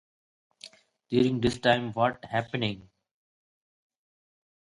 During this time What's Happening!!